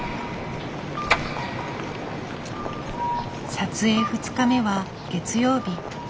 撮影２日目は月曜日。